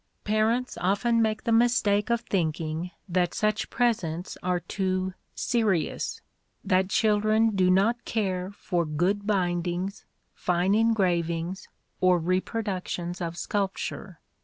Parents often make the mistake of thinking that such presents are too "serious" that children do not care for good bindings, fine engravings, or reproductions of sculpture.